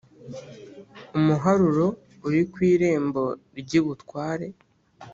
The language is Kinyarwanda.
Umuharuro uri ku irembo ry’ibutware.